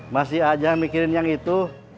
masih aja mikirin yang itu